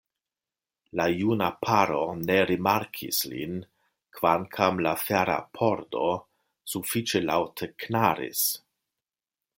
La juna paro ne rimarkis lin, kvankam la fera pordo sufiĉe laŭte knaris.